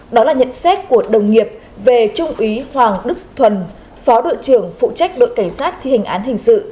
đó là nhận xét của đồng nghiệp về trung úy hoàng đức thuần phó đội trưởng phụ trách đội cảnh sát thi hình án hình sự